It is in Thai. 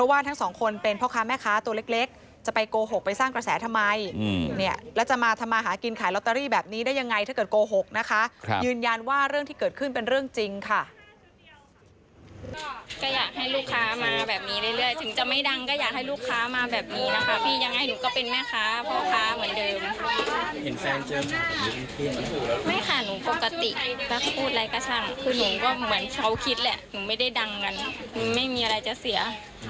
ไม่ค่ะหนูปกติก็พูดอะไรก็ช่างคือหนูก็เหมือนเขาคิดแหละหนูไม่ได้ดังกันหนูไม่มีอะไรจะเสีย